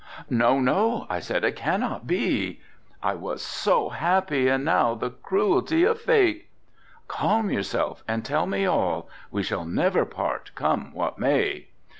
"No, no," I said, "it cannot be." "I was so happy, and now the cruelty of fate." "Calm yourself and tell me all. We shall never part, come what may."